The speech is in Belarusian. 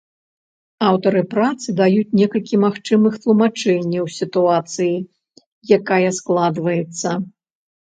Аўтары працы даюць некалькі магчымых тлумачэнняў сітуацыі, якая складваецца.